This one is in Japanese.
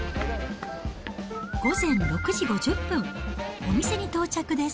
午前６時５０分、お店に到着です。